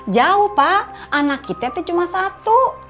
jauh pak anak kita itu cuma satu